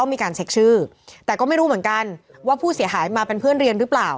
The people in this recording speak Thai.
มีการเช็คชื่อแต่ก็ไม่รู้เหมือนกันว่าผู้เสียหายมาเป็นเพื่อนเรียนหรือเปล่า